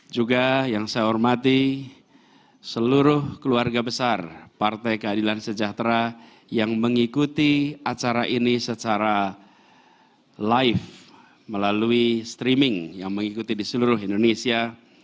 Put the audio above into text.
juga yang saya hormati seluruh keluarga besar partai keadilan sejahtera yang mengikuti acara ini secara live melalui streaming yang mengikuti di seluruh indonesia